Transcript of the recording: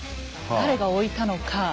誰が置いたのか。